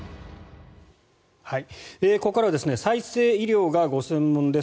ここからは再生医療がご専門です